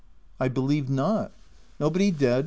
319 " I believe not." i( Nobody dead?